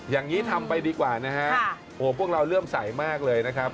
อย่างนี้ทำไปดีกว่านะฮะโหพวกเราเริ่มใสมากเลยนะครับ